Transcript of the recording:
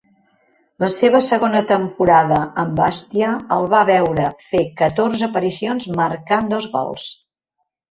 La seva segona temporada amb Bastia el va veure fer catorze aparicions, marcant dos gols.